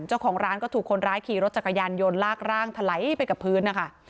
เจ้าของร้านก็ถูกคนร้ายขี่รถจักรยานยนต์ลากร่างถลายไปกับพื้นนะคะ